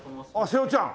瀬尾ちゃん。